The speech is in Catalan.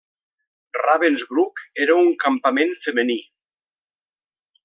Ravensbrück era un campament femení.